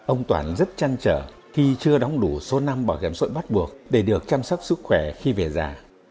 ông toản rất chăn trở khi chưa đóng đủ số năm bảo hiểm xã hội bắt buộc để được chăm sóc sức khỏe khi về già